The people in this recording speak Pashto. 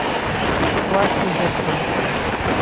واټ اوږد دی.